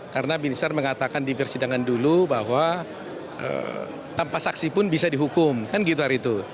karena binisar mengatakan di persidangan dulu bahwa tanpa saksi pun bisa dihukum kan gitu hari itu